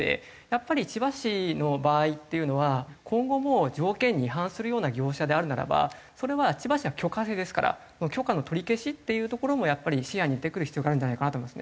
やっぱり千葉市の場合っていうのは今後も条件に違反するような業者であるならばそれは千葉市は許可制ですから許可の取り消しっていうところもやっぱり視野に入れてくる必要があるんじゃないかなと思いますね。